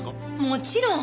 もちろん！